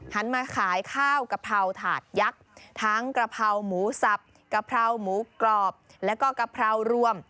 หันมาขายข้าวกะเพราถาดยักษ์ทั้งกระเพราหมูสับกะเพราหมูกรอบแล้วก็กะเพรารวม